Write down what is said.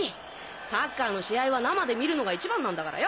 サッカーの試合は生で観るのが一番なんだからよ！